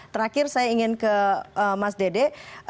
terakhir saya ingin ke mas dede